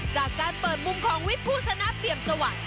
จากการเปิดมุมของวิภูสนาเปรียมสวัสดิ์